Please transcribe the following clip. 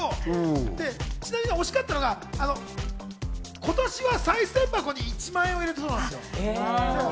ちなみに惜しかったのが、今年は賽銭箱に１万円を入れたそうなんですよ。